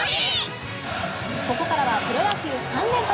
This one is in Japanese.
ここからはプロ野球３連発。